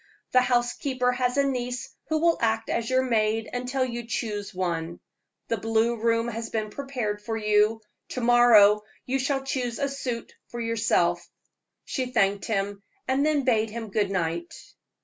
The housekeeper has a niece who will act as your maid until you choose one. The blue room has been prepared for you; to morrow you shall choose a suit for yourself." She thanked him, and then bade him good night.